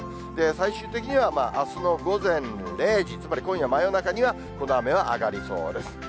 最終的にはあすの午前０時、つまり今夜真夜中には、この雨は上がりそうです。